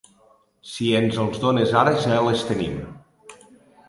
Si ens els dones ara ja les tenim.